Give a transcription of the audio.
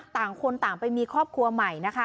ต่างคนต่างไปมีครอบครัวใหม่นะคะ